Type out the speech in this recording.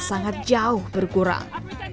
sangat jauh berkurang